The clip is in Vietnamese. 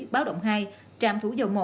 báo đồng hai trạm thủ dầu một